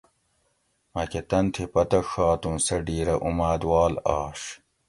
مکہ تن تھی پتہ ڛات اُوں سہ ڈِھیرہ اُمادوال آش